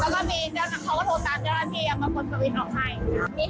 แล้วก็มีเธอก็โทรตามเจ้าหน้าพี่